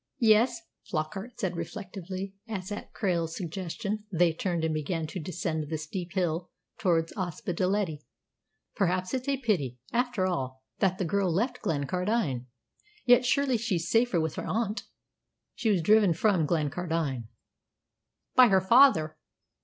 "Yes," Flockart said reflectively, as at Krail's suggestion they turned and began to descend the steep hill towards Ospedaletti, "perhaps it's a pity, after all, that the girl left Glencardine. Yet surely she's safer with her aunt?" "She was driven from Glencardine!" "By her father."